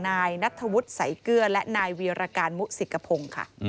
นายนัทธวุฒิไสเกื้อและนายวิราการมุษิกภงศ์ค่ะ